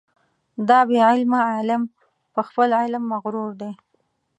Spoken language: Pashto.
دا بې علمه عالم په خپل علم مغرور دی.